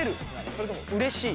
それともうれしい？